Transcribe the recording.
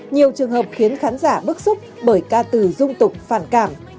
nhiều trường hợp khiến khán giả bức xúc bởi ca từ dung tục phản cảm